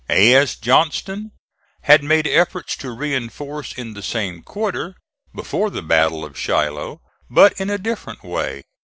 A. S. Johnston had made efforts to reinforce in the same quarter, before the battle of Shiloh, but in a different way.